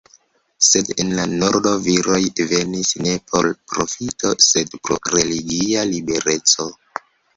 Sed en la nordo, viroj venis ne por profito sed pro religia libereco.